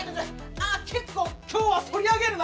ああ結構今日は反り上げるな。